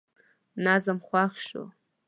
نظم خوښ شو.